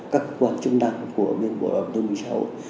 các quan chức năng của bộ đồng tư